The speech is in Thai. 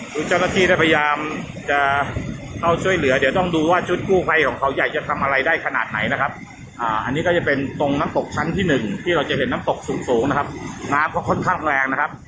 คือเจ้าหน้าที่ได้พยายามจะเข้าช่วยเหลือเดี๋ยวต้องดูว่าชุดกู้ภัยของเขาใหญ่จะทำอะไรได้ขนาดไหนนะครับอันนี้ก็จะเป็นตรงน้ำตกชั้นที่หนึ่งที่เราจะเห็นน้ำตกสูงนะครับน้ำก็ค่อนข้างแรงนะครับ